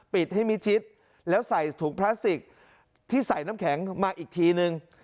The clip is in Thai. ปิดให้มิดชิดแล้วใส่ถุงพลาสติกที่ใส่น้ำแข็งมาอีกทีนึง